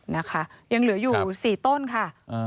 นะคะยังเหลืออยู่๔ต้นค่ะ